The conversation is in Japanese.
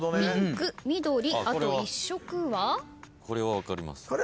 これは分かります。